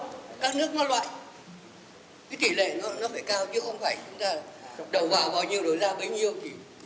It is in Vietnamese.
cái tỷ lệ nó phải cao chứ không phải chúng ta đầu vào bao nhiêu đổi ra bấy nhiêu thì không đúng